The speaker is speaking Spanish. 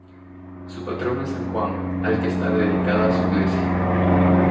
Su patrón es San Juan, al que está dedicada su iglesia.